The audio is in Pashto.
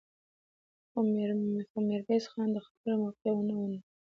خو ميرويس خان د خبرو موقع ونه مونده.